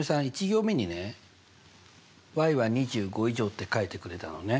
１行目にねは２５以上って書いてくれたのね。